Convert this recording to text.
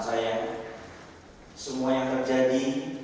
saya semua yang terjadi